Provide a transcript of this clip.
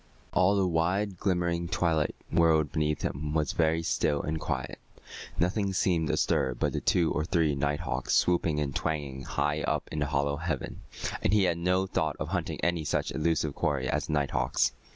All the wide, glimmering twilight world beneath him was very still and quiet. Nothing seemed astir but the two or three night hawks swooping and twanging high up in the hollow heaven, and he had no thought of hunting any such elusive quarry as the night hawks.